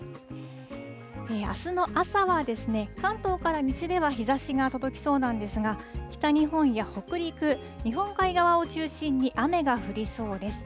あすの朝は、関東から西では日ざしが届きそうなんですが、北日本や北陸、日本海側を中心に雨が降りそうです。